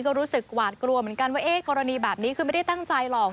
ก็รู้สึกหวาดกลัวเหมือนกันว่ากรณีแบบนี้คือไม่ได้ตั้งใจหรอก